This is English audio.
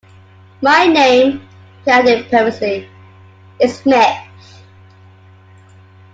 My name," he added pensively, "is Smith.